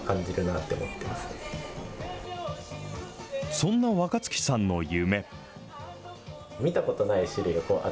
そんな若月さんの夢。